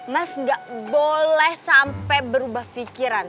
mas gak boleh sampai berubah pikiran